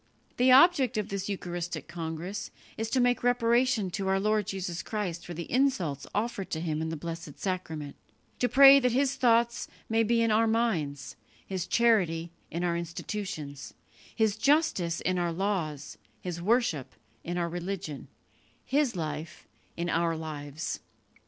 The object of this eucharistic congress is to make reparation to our Lord Jesus Christ for the insults offered to Him in the Blessed Sacrament; to pray that His thoughts may be in our minds, His charity in our institutions, His justice in our laws, His worship in our religion, His life in our lives."